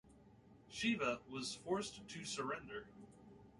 Shiba was forced to surrender.